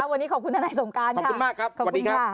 วันนี้ขอบคุณท่านไหนสงการค่ะขอบคุณมากครับขอบคุณค่ะ